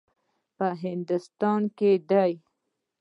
په هندوستان کې دی.